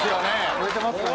売れてますかね？